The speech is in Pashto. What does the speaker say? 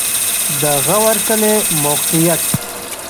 د غور کلی موقعیت